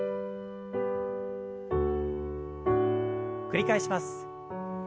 繰り返します。